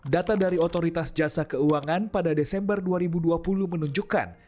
data dari otoritas jasa keuangan pada desember dua ribu dua puluh menunjukkan